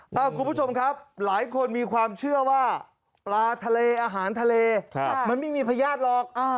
คุณผู้ชมครับหลายคนมีความเชื่อว่าปลาทะเลอาหารทะเลมันไม่มีพญาติหรอก